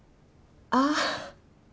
ああ。